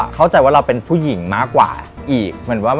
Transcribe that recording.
เข้าใจว่าเราเป็นผู้หญิงมากกว่าอีกว่า